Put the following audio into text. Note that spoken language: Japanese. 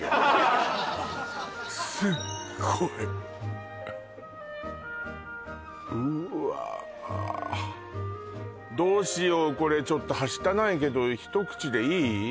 すっごいうわっどうしようこれちょっとはしたないけど一口でいい？